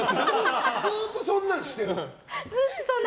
ずっとそんなんしてる。